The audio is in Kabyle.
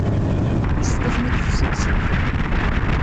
Yessefk ad ten-id-tessukksemt.